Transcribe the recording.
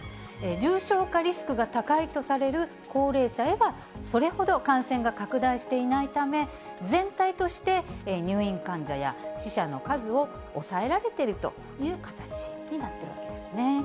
重症化リスクが高いとされる高齢者へはそれほど感染が拡大していないため、全体として入院患者や死者の数を抑えられているという形になっているわけですね。